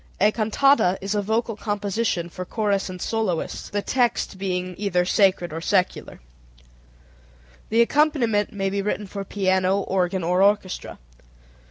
A cantata is a vocal composition for chorus and soloists, the text being either sacred or secular. The accompaniment may be written for piano, organ, or orchestra.